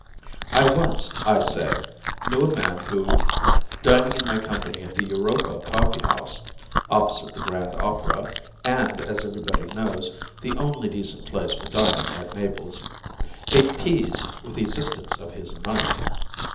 I once, I say, knew a man who, dining in my company at the 'Europa Coffee house,' (opposite the Grand Opera, and, as everybody knows, the only decent place for dining at Naples,) ate peas with the assistance of his knife.